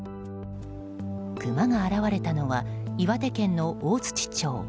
クマが現れたのは岩手県の大槌町。